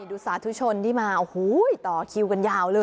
สาธุชนที่มาโอ้โหต่อคิวกันยาวเลย